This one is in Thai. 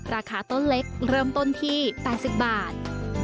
ราคาต้นเล็กเริ่มต้นที่๘๐บาท